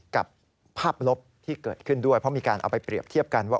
กับภาพลบที่เกิดขึ้นด้วยเพราะมีการเอาไปเปรียบเทียบกันว่า